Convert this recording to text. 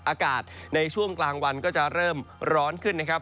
อากาศในช่วงกลางวันก็จะเริ่มร้อนขึ้นนะครับ